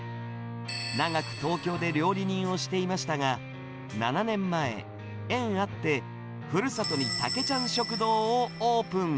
長く東京で料理人をしていましたが、７年前、縁あって、ふるさとにたけちゃん食堂をオープン。